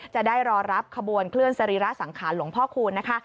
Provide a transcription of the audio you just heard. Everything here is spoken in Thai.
จะได้รอรับขบวนเคลื่อนสรีระสังขารหลวงพ่อคูณนะคะ